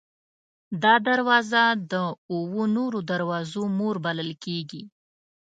دا دروازه د اوو نورو دروازو مور بلل کېږي.